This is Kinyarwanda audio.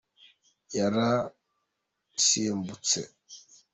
yarusimbutse